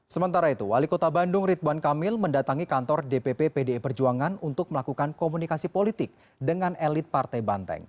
sementara itu wali kota bandung ridwan kamil mendatangi kantor dpp pdi perjuangan untuk melakukan komunikasi politik dengan elit partai banteng